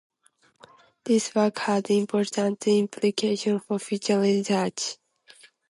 This work has important implications for future research.